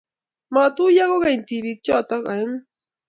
matuiyo kogeny tibiik choto aengu